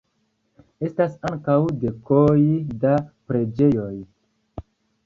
Estas ankaŭ dekoj da preĝejoj.